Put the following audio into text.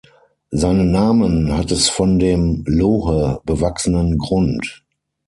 Seinen Namen hat es von dem „Lohe“-bewachsenen Grund.